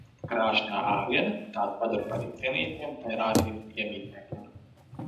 Krāšņā āriene tās padara par iecienītiem terāriju iemītniekiem.